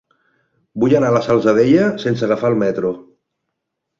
Vull anar a la Salzadella sense agafar el metro.